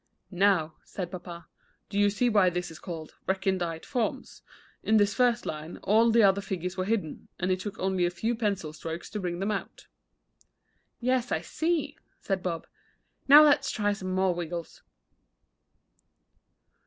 "Now," said papa, "do you see why this is called 'Recondite Forms'? In this first line all the other figures were hidden, and it took only a few pencil strokes to bring them out." "Yes, I see," said Bob. "Now let's try some more wiggles."